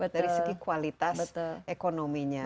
dari segi kualitas ekonominya